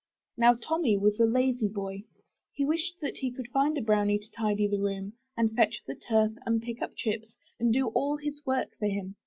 Now Tommy was a lazy boy. He wished that he could find a brownie to tidy the room, and fetch the turf, and pick up chips, and do all his work for him.